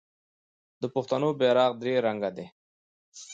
د پښتنو بیرغ درې رنګه دی.